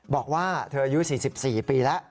บอกว่าเธออายุ๔๔ปีแล้ว